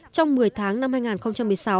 trong một mươi tháng năm hai nghìn một mươi sáu